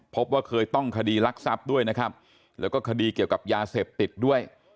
พบว่าเคยต้องคดีรักทรัพย์ด้วยนะครับแล้วก็คดีเกี่ยวกับยาเสพติดด้วย